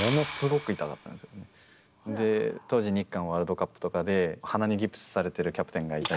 当時日韓ワールドカップとかで鼻にギプスされてるキャプテンがいたり。